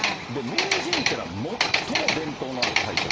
名人っていうのは最も伝統のあるタイトル。